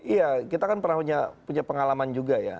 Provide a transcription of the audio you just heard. iya kita kan pernah punya pengalaman juga ya